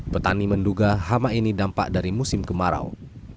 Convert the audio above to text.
petani menduga hama ini dampak dari musim kemarau